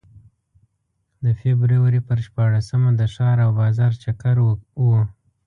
د فبروري په شپاړسمه د ښار او بازار چکر و.